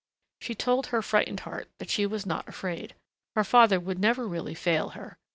She told her frightened heart that she was not afraid.... Her father would never really fail her....